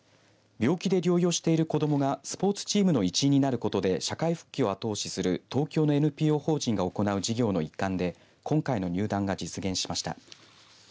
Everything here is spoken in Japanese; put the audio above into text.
病気で療養している子どもがスポーツチームの一員になることで社会復帰を後押しする東京のＮＰＯ法人が行う事業の一環で今回の入団が実現しました。